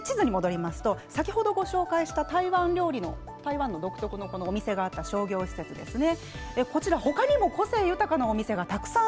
地図に戻りますと先ほどご紹介した台湾料理の独特の店があった商業施設ですね。